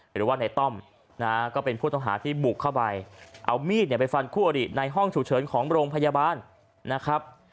หรือว่าในต้อมนะฮะก็เป็นผู้ต้องหาที่บุกเข้าไปเอามีดเนี่ยไปฟันคู่อริในห้องฉุกเฉินของโรงพยาบาลนะครับ